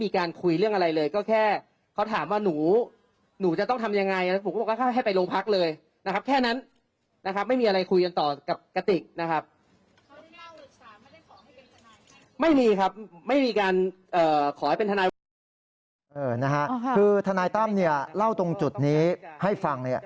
คือทะนายต้ำเล่าตรงจุดนี้ให้ฟัง